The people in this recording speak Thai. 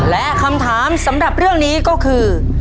และคำถามสำหรับเรื่องนี้ก็คือ